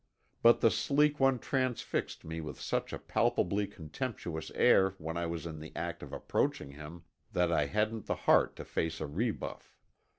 But the sleek one transfixed me with such a palpably contemptuous air when I was in the act of approaching him that I hadn't the heart to face a rebuff.